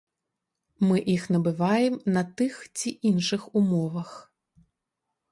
Мы іх набываем на тых ці іншых умовах.